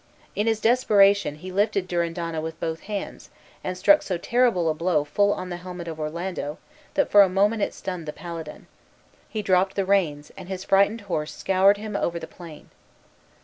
In his desperation he lifted Durindana with both hands, and struck so terrible a blow full on the helmet of Orlando, that for a moment it stunned the paladin. He dropped the reins, and his frightened horse scoured with him over the plain.